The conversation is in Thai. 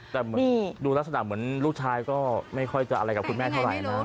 แต่ดูลักษณะเหมือนลูกชายก็ไม่ค่อยจะอะไรกับคุณแม่เท่าไหร่นะ